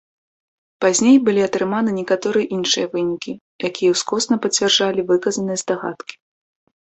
Пазней былі атрыманы некаторыя іншыя вынікі, якія ўскосна пацвярджалі выказаныя здагадкі.